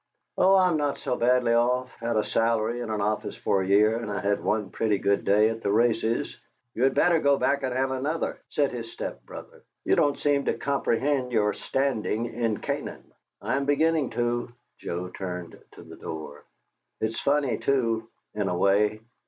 "Oh, I'm not so badly off. I've had a salary in an office for a year, and I had one pretty good day at the races " "You'd better go back and have another," said his step brother. "You don't seem to comprehend your standing in Canaan." "I'm beginning to." Joe turned to the door. "It's funny, too in a way.